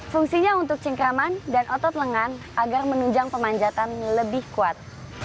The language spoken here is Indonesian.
fungsinya untuk cingkraman dan otot lengan agar menunjang pemanjatan lebih kuat